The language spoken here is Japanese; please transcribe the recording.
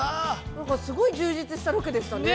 ◆なんかすごい充実したロケでしたね。